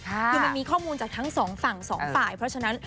คือมันมีข้อมูลจากทั้งสองฝั่งสองฝ่ายเพราะฉะนั้น